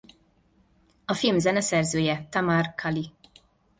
A film zeneszerzője Tamar-kali.